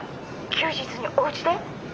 休日におうちで？